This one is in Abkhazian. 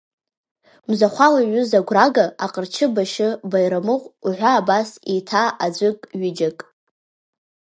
Мзахәала иҩыза гәрага аҟарачы Башьы Баирамыҟә уҳәа убас еиҭа аӡәык-ҩыџьак.